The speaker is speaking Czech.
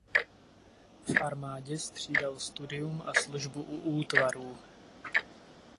V armádě střídal studium a službu u útvarů.